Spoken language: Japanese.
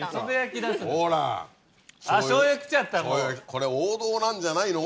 これ王道なんじゃないの？